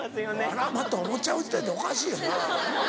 「あらま」って思っちゃう時点でおかしいよそら。